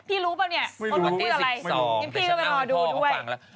ปีแต่ฉะนั้นดูเค้าก็ฟังละ